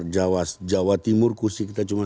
jawa timur kursi kita cuma